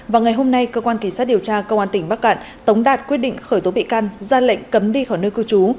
vào ngày hôm nay cơ quan kỳ sát điều tra công an tỉnh bắc cạn tống đạt quyết định khởi tố bị can ra lệnh cấm đi khỏi nơi cư trú